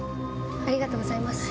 ありがとうございます。